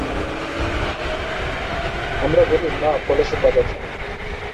আমরা বলি, মা ফলেষু কদাচন।